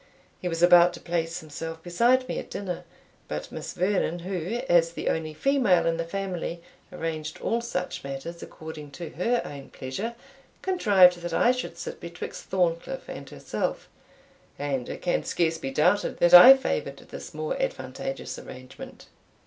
He was about to place himself beside me at dinner, but Miss Vernon, who, as the only female in the family, arranged all such matters according to her own pleasure, contrived that I should sit betwixt Thorncliff and herself; and it can scarce be doubted that I favoured this more advantageous arrangement.